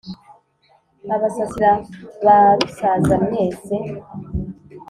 abasasira ba rusaza mwese